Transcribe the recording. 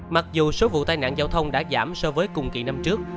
mặc dù số vụ tai nạn giao thông đã giảm so với cùng kỳ năm trước